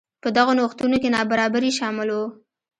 په دغو نوښتونو کې نابرابري شامل وو.